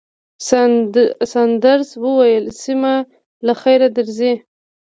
ساندرز وویل، سېمه، له خیره درځئ.